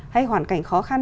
hay hoàn cảnh khó khăn